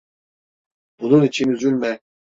Bunun için üzülme.